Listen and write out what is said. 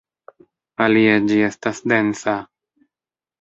Alie, ĝi estas densa.